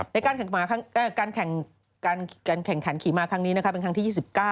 ในการแข่งขันขี่มาครั้งนี้เป็นครั้งที่๒๙